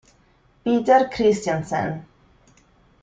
Peter Christiansen